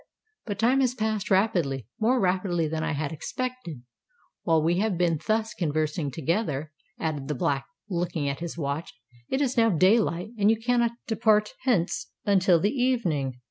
But time has passed rapidly—more rapidly than I had expected, while we have been thus conversing together," added the Black, looking at his watch. "It is now day light—and you cannot depart hence until the evening."